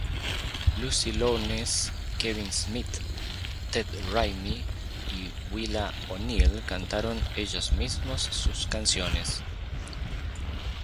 Lucy Lawless, Kevin Smith, Ted Raimi y Willa O'Neill cantaron ellos mismos sus canciones.